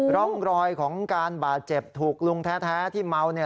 ร่องรอยของการบาดเจ็บถูกลุงแท้ที่เมาเนี่ย